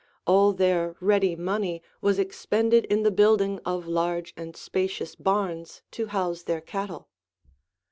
All their ready money was expended in the building of large and spacious barns to house their cattle.